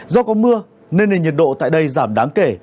do có mưa nên nền nhiệt độ tại đây giảm đáng kể